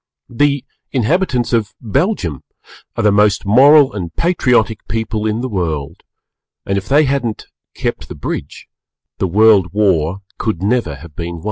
The inhabitants of Belgium are the most Moral and Patriotic people in the World, and if they hadn't "kept the bridge" the World War could never have been won.